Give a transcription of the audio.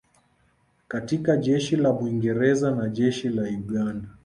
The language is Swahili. katika Jeshi la Mwingereza na Jeshi la Uganda